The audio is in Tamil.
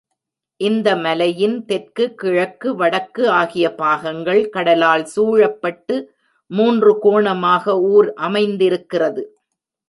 இந்த மலையின் தெற்கு, கிழக்கு, வடக்கு ஆகிய பாகங்கள் கடலால் சூழப்பட்டு மூன்று கோணமாக ஊர் அமைந்திருக்கிறது.